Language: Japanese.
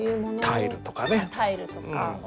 タイルとかね。